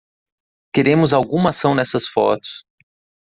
Queremos alguma ação nessas fotos.